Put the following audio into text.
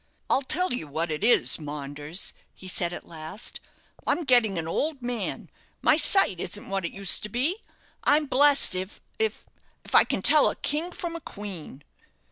"I'll tell you what it is, Maunders," he said, at last; "I'm getting an old man; my sight isn't what it used to be. I'm bless' if can tell a king from queen."